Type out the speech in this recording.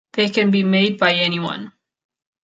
They can be made by anyone.